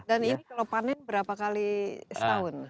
dan ini kalau panen berapa kali setahun